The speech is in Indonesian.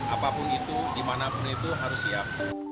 apapun itu dimanapun itu harus siap